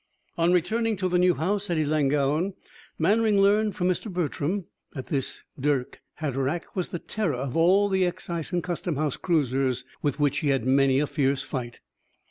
On returning to the new house at Ellangowan, Mannering learned from Mr. Bertram that this Dirck Hatteraick was the terror of all the excise and custom house cruisers, with which he had had many a fierce fight.